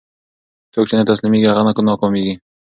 څوک چې نه تسلیمېږي، هغه نه ناکامېږي.